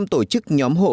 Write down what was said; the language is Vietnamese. sáu mươi năm tổ chức nhóm hộ